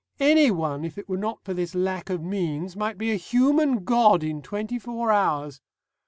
Anyone, if it were not for this lack of means, might be a human god in twenty four hours....